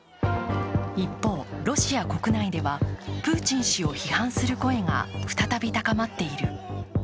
一方、ロシア国内ではプーチン氏を批判する声が再び高まっている。